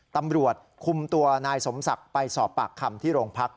ตำรวจคุมตัวนายสมศักดิ์ไปสอบปากคำที่โรงพัก